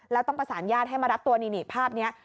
แล้วต้องประสานญาติให้มารับตัวนี่ภาพนี้